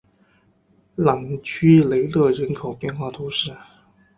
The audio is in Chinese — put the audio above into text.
朗屈雷勒人口变化图示